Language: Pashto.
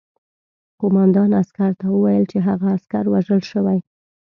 قوماندان عسکر ته وویل چې هغه عسکر وژل شوی